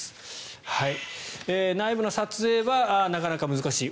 内部の撮影はなかなか難しい。